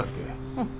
うん。